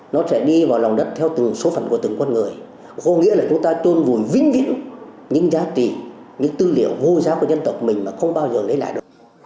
nó sẽ đi vào lòng đất theo từng số phận của từng con người có nghĩa là chúng ta trôn vùi vĩnh viễn những giá trị những tư liệu vô giáo của dân tộc mình mà không bao giờ lấy lại được